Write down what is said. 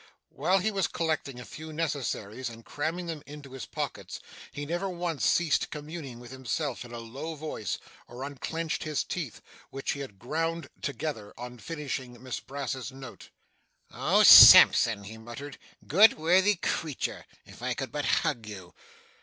While he was collecting a few necessaries and cramming them into his pockets, he never once ceased communing with himself in a low voice, or unclenched his teeth, which he had ground together on finishing Miss Brass's note. 'Oh Sampson!' he muttered, 'good worthy creature if I could but hug you!